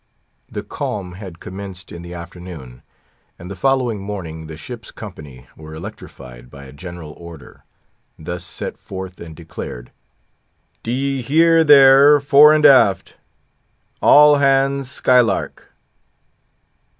The calm had commenced in the afternoon: and the following morning the ship's company were electrified by a general order, thus set forth and declared: "_D'ye hear there, for and aft! all hands skylark!